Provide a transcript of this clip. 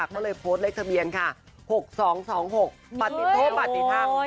ก็เลยโพสต์เลขสะเบียนค่ะ๖๒๒๖โทษปัดติดพัง